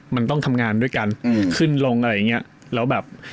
มันต้องทำงานด้วยกันอืมขึ้นลงอะไรอย่างเงี้ยแล้วแบบ